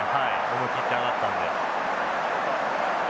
思い切って上がったんで。